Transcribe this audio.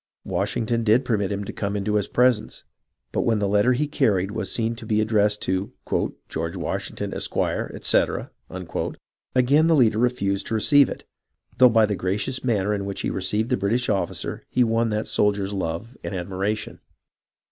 Washington did permit him to come into his presence, but when the letter he carried was seen to be addressed to " George Washing ton, Esq., etc.," again the leader refused to receive it, though by the gracious manner in which he received the British officer he won that soldier's love and admiration.